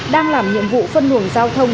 đang làm nhiệm vụ phân hủng giao thông